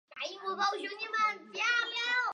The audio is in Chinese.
中国主体文明起源于黄河流域。